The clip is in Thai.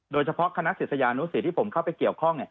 โดยเฉพาะคณะศิษยานุสิตที่ผมเข้าไปเกี่ยวข้อง